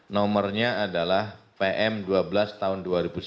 nomornya adalah pm dua belas tahun dua ribu sembilan belas